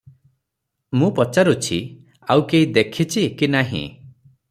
ମୁଁ ପଚାରୁଛି ଆଉ କେହି ଦେଖିଛି କି ନାହିଁ?